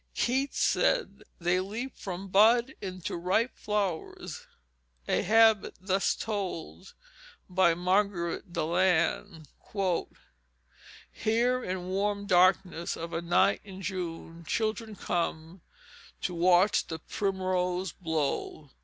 Keats said they "leaped from buds into ripe flowers," a habit thus told by Margaret Deland: "Here, in warm darkness of a night in June, children came To watch the primrose blow.